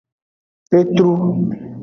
Etru.